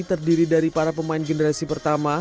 terdiri dari para pemain generasi pertama